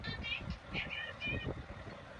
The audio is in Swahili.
Nionyeshe jinsi utakavyo nishinda